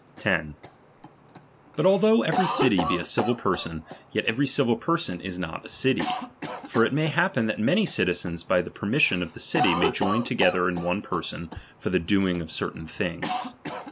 10. But although every city be a civil person, ^"»'»^ yet every civil person is not a city ; for it may happen that many citizens, by the permission of the city, may join together in one person, for the doing of certain things.